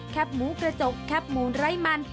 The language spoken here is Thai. แคบหมูกระจกแคบหมูไร้มัน